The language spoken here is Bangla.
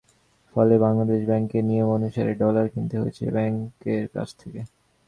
ফলে বাংলাদেশ ব্যাংককে নিয়ম অনুসারে ডলার কিনতে হয়েছে ব্যাংকের কাছ থেকে।